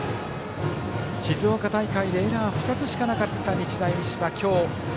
静岡大会でエラーが２つしかなかった日大三島。